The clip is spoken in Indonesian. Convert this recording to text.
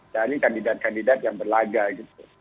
dari kandidat kandidat yang berlagak